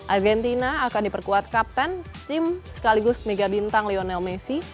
argentina akan diperkuat kapten tim sekaligus megabintang lionel messi